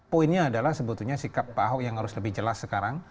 poinnya adalah sebetulnya sikap pak ahok yang harus lebih jelas sekarang